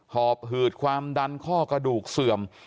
หอบหืดความดันข้อกระดูกเสื่อม